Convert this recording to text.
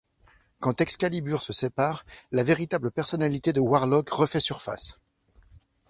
Quand Excalibur se sépare, la véritable personnalité de Warlock refait surface.